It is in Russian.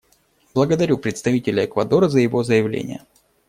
Благодарю представителя Эквадора за его заявление.